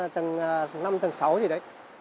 tầng năm tầng sáu gì đấy